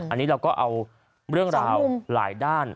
อันนี้เราก็เอาเรื่องราวหลายด้าน